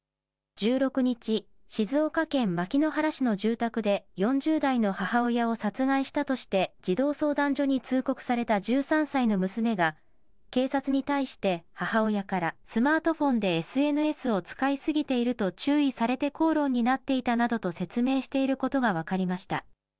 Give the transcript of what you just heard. １６日、静岡県牧之原市の住宅で、４０代の母親を殺害したとして児童相談所に通告された１３歳の娘が、警察に対して、母親からスマートフォンでＳＮＳを使い過ぎていると注意されて口論になっていたなどと説明していることが分かりました。